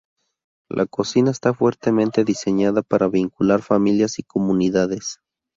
La cocina está fuertemente diseñada para vincular familias y comunidades.